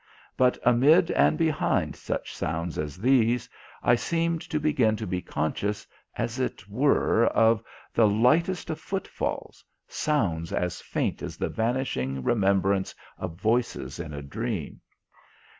But amid and behind such sounds as these I seemed to begin to be conscious, as it were, of the lightest of footfalls, sounds as faint as the vanishing remembrance of voices in a dream.